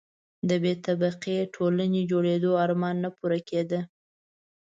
د بې طبقې ټولنې جوړېدو آرمان نه پوره کېده.